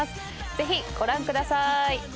ぜひご覧ください。